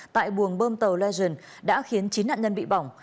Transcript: tại buồng bơm tàu legend đã khiến chín nạn nhân bị bỏng